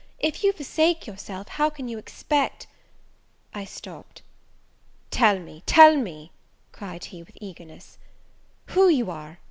If you forsake yourself, how can you expect " I stopped. "Tell me, tell me," cried he, with eagerness, "who you are?